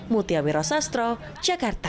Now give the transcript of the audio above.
mutia wiro sastro jakarta